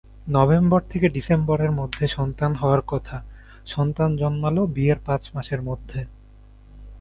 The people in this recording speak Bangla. নভেম্বর থেকে ডিসেম্বরের মধ্যে সন্তান হওয়ার কথা—সন্তান জন্মাল বিয়ের পাঁচ মাসের মধ্যে।